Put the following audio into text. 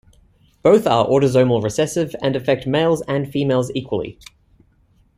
Both are autosomal recessive and affect males and females equally.